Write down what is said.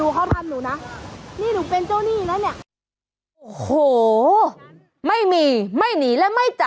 กลับไหม